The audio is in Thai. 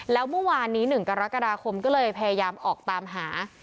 แล้วเมื่อวานนี้๑กรกฎาคมก็เลยพยายามออกตามหา